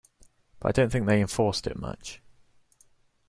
But I don't think they enforced it much.